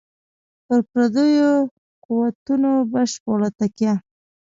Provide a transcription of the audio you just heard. پر پردیو قوتونو بشپړه تکیه.